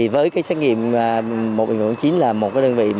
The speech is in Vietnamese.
với cái xét nghiệm một chín là một đơn vị